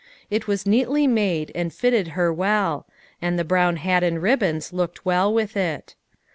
It was neatly made, and fitted her well ; and the brown hat and ribbons looked well with it.